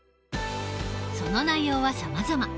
その内容はさまざま。